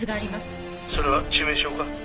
「それは致命傷か？」